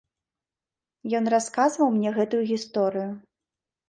Ён расказваў мне гэтую гісторыю.